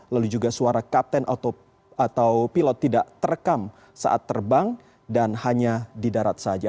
lalu juga suara kapten atau pilot tidak terekam saat terbang dan hanya di darat saja